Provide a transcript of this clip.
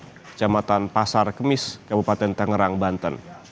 di jematan pasar kemis kabupaten tangerang banten